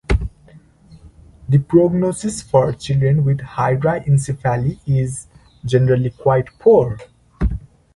The prognosis for children with hydranencephaly is generally quite poor.